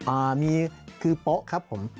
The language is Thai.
อ่ามีคือโป๊ะครับผม